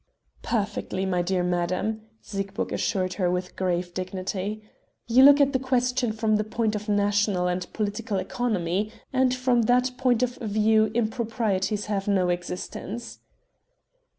"Perfectly, my dear madam," Siegburg assured her with grave dignity. "You look at the question from the point of national and political economy and from that point of view improprieties have no existence."